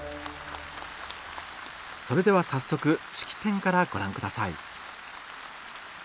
それでは早速式典からご覧下さい。